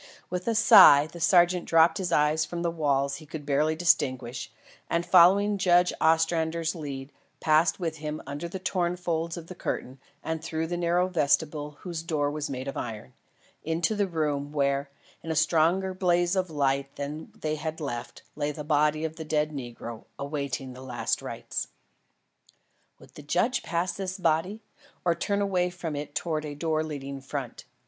With a sigh, the sergeant dropped his eyes from the walls he could barely distinguish, and following Judge Ostrander's lead, passed with him under the torn folds of the curtain and through the narrow vestibule whose door was made of iron, into the room, where, in a stronger blaze of light than they had left, lay the body of the dead negro awaiting the last rites. Would the judge pass this body, or turn away from it towards a door leading front?